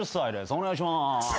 お願いしまーす。